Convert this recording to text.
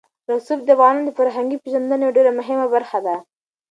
رسوب د افغانانو د فرهنګي پیژندنې یوه ډېره مهمه برخه ده.